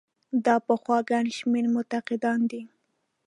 دا پخوا ګڼ شمېر منتقدان دي.